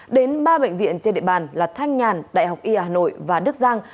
đến ba bệnh viện trên địa bàn là thanh nhàn đại học y hà nội và đức giang